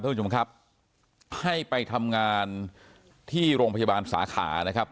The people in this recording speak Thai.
ท่านผู้ชมครับให้ไปทำงานที่โรงพยาบาลสาขานะครับ